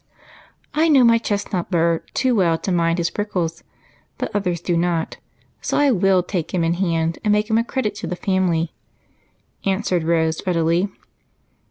"I know my chestnut burr too well to mind his prickles. But others do not, so I will take him in hand and make him a credit to his family," answered Rose readily.